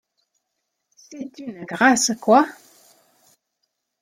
C’est une grâce, quoi!